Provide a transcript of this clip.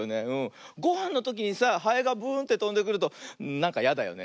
ごはんのときにさハエがブーンってとんでくるとなんかやだよね。